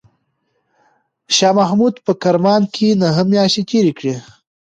شاه محمود په کرمان کې نهه میاشتې تېرې کړې.